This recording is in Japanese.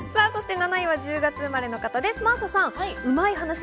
７位は１０月生まれの方です、真麻さん。